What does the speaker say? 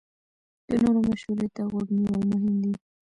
د نورو مشورې ته غوږ نیول مهم دي.